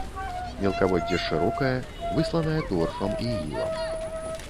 Мелкаводдзе шырокае, высланае торфам і ілам.